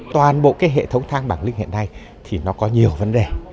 toàn bộ cái hệ thống thang bảng linh hiện nay thì nó có nhiều vấn đề